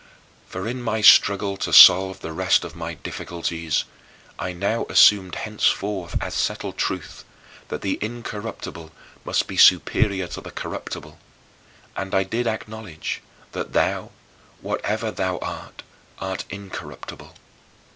For in my struggle to solve the rest of my difficulties, I now assumed henceforth as settled truth that the incorruptible must be superior to the corruptible, and I did acknowledge that thou, whatever thou art, art incorruptible.